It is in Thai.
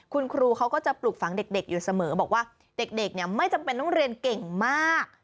คุณครูเขาก็จะปลูกฝังเด็กอยู่เสมอบอกว่าเด็กเนี่ยไม่จำเป็นต้องเรียนเก่งมาก